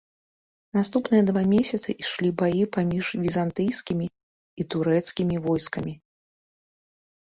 Наступныя два месяцы ішлі баі паміж візантыйскімі і турэцкімі войскамі.